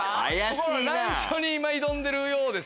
難所に今挑んでるようです。